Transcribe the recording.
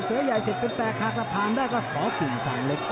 เสื้อใหญ่เสร็จเป็นแต่ขาดสภาพรางได้ก็คอฟิมสังเล็ก